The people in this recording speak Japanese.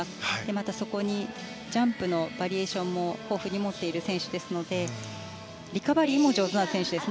また、そこにジャンプのバリエーションも豊富に持っている選手ですのでリカバリーも上手な選手です。